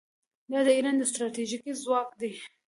دا د ایران ستراتیژیک ځواک دی.